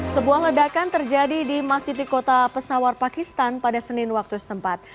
sebuah ledakan terjadi di masjid di kota pesawar pakistan pada senin waktu setempat